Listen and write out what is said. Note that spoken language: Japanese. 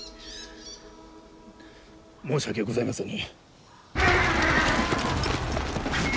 申し訳ございません。